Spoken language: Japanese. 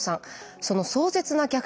その壮絶な逆転